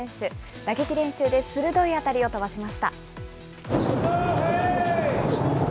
打撃練習で鋭い当たりを飛ばしました。